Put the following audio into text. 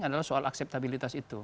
adalah soal akseptabilitas itu